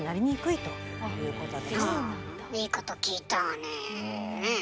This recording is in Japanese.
いいこと聞いたわねえ。